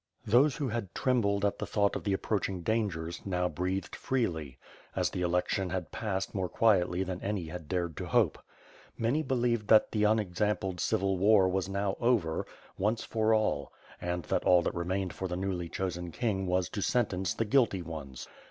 Those who had trembled at the thought of the approaching dangers, now breathed freely; as the election had passed more quietly than any had dared to hope. Many believed tiiat the unexampled civil war was now over, once for all; and that all that remained for the newly chosen King was to sentence the guilty ones.